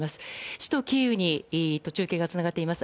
首都キーウと中継がつながっています。